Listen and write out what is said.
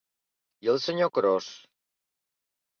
I el senyor Cros?